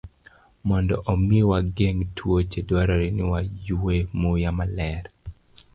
Mondo omi wageng' tuoche, dwarore ni waywe muya maler.